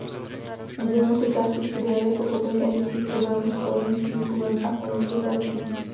Nedílnou součástí studia je pochopení etických problémů spojených s výzkumem a klinickou praxí.